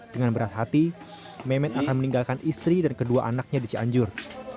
dengan berat hati memet akan meninggalkan istri dan kedua anaknya di cianjur